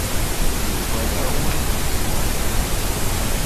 Yuba d aɣwali.